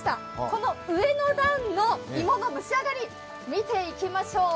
この上の段の芋の蒸し上がり、見ていきましょう。